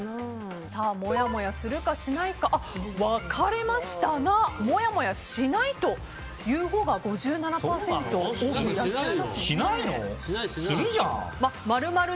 もやもやするかしないか分かれましたがもやもやしないという方が５７％いらっしゃいますね。